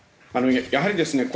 やはりですね